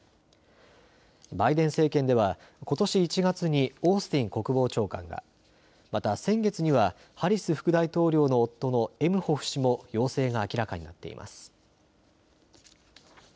バイデン政権では、ことし１月にオースティン国防長官が、また先月にはハリス副大統領の夫のエムホフ氏も陽性が明らかになっています。